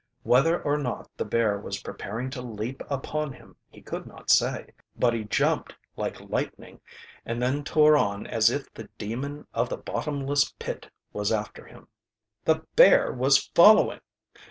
Whether or not the bear was preparing to leap upon him he could not say, but he jumped like lightning and then tore on as if the demon of the bottomless pit was after him. The bear was following!